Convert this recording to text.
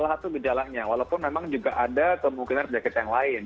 salah satu gejalanya walaupun memang juga ada kemungkinan penyakit yang lain